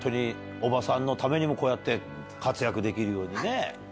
伯母さんのためにもこうやって活躍できるようになって。